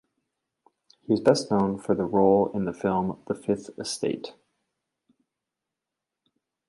He is best known for the role in the film "The Fifth Estate".